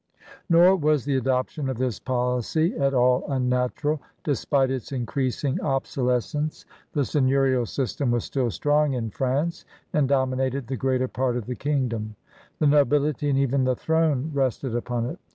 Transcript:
Nor was the adoption of this policy at all unnatural. Despite its increasing obsolescence, 18S 184 CBUSADEBS OF NEW FRANCE the seigneurial system was still strong in France and dominated the greater part of the kingdom. The nobility and even the throne rested upon it.